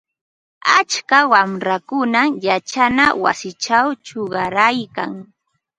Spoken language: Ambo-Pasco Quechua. Atska wamrakunam yachana wasichaw chuqayarkan.